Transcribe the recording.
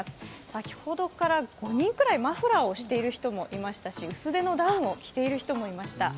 先ほどから５人くらいマフラーをしている人もいましたし薄手のダウンを着ている人もいました。